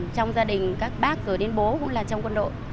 trong gia đình các bác rồi đến bố cũng là trong quân đội